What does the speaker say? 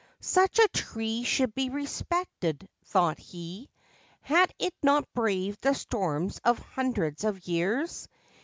Such a tree should be respected, thought he. Had it not braved the storms of hundreds of years